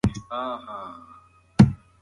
نجونې په ټولګیو کې په شوق سره خپل درسونه لولي.